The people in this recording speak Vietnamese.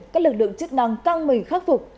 các lực lượng chức năng căng mỉ khắc phục